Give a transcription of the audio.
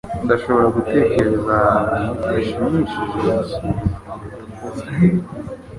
Ndashobora gutekereza ahantu hashimishije gusurwa kuruta Boston